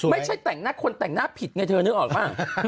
ไม่ใช่แต่งหน้าคนแต่งหน้าผิดไงเธอนึกออกป่ะ